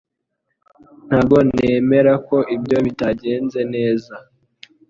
Ntabwo nemera ko ibyo bitagenze neza